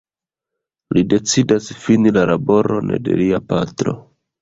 Li decidas fini la laboron de lia patro.